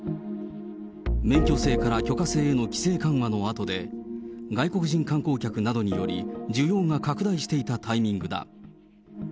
免許制から許可制への規制緩和のあとで、外国人観光客などにより、需要が拡大していたタイミングだ。